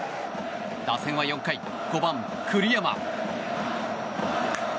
打線は４回、５番、栗山。